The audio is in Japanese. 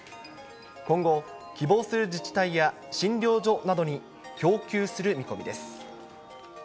今後、希望する自治体や診療所などに供給する見込みです。